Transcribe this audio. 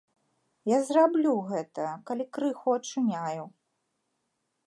Я зраблю гэта, калі крыху ачуняю.